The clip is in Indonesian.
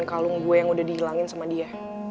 dan kalung gua yang udah dihilangin sama dia